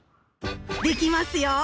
できますよ！